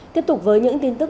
tiếp tục với những tin tức